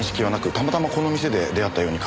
たまたまこの店で出会ったように書かれています。